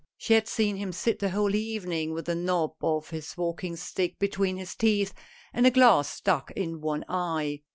She had seen him sit the whole evening with the knob of his walking stick between his teeth and a glass stuck in one eye.